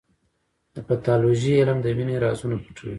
د پیتالوژي علم د وینې رازونه پټوي.